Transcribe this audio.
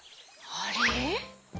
あれ？